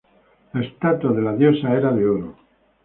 La estatua de la diosa era de oro.